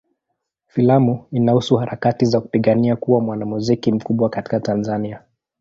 Filamu inahusu harakati za kupigania kuwa mwanamuziki mkubwa katika Tanzania.